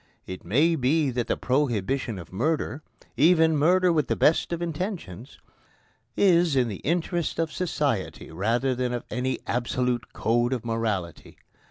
It may be that the prohibition of murder even murder with the best intentions is in the interests of society rather than of any absolute code of morality.